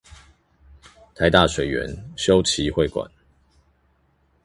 臺大水源修齊會館